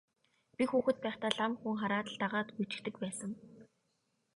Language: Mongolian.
Би хүүхэд байхдаа лам хүн хараад л дагаад гүйчихдэг хүүхэд байсан.